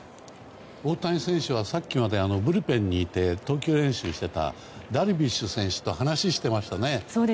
大谷選手はさっきまでブルペンにいて投球練習をしていたダルビッシュ選手と話してましたね。